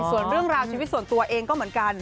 ส่วนเรื่องราวชีวิตส่วนตัวเองก็เหมือนกัน